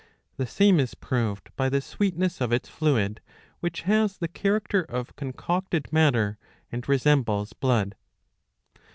The same is proved by the sweetness of its fluid, which has the character of concocted matter and resembles blood.